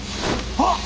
あっ！